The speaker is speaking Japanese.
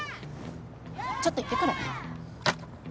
ちょっと言ってくるね。